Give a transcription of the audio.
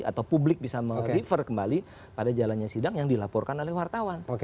atau publik bisa meliver kembali pada jalannya sidang yang dilaporkan oleh wartawan